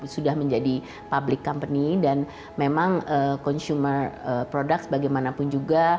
sudah menjadi public company dan memang consumer products bagaimanapun juga